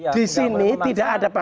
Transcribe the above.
di sini tidak ada